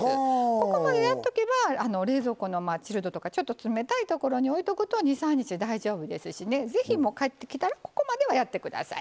ここまでやっとけば冷蔵庫のチルドとかちょっと冷たいところに置いておくと２３日大丈夫ですしね是非買ってきたらここまではやって下さい。